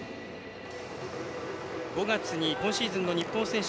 ５月に今シーズンの日本選手